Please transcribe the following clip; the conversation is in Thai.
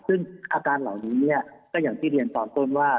ซึ่งอาการเหล่านี้เนี่ยก็อย่างที่เรียนตอนต้นว่า